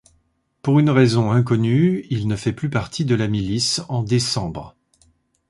Pour une raison inconnue, il ne fait plus partie de la milice en décembre.